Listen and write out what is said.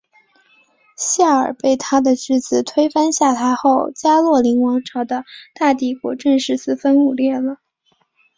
夏尔被他的侄子推翻下台后加洛林王朝的大帝国正式四分五裂了。